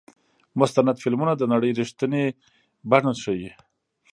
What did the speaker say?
مستند فلمونه د نړۍ رښتینې بڼه ښيي.